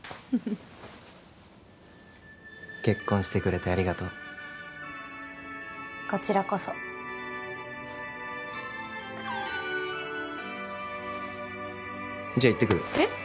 結婚してくれてありがとうこちらこそじゃあ行ってくるえっ